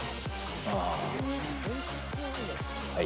はい。